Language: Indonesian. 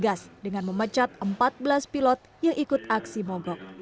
tugas dengan memecat empat belas pilot yang ikut aksi mogok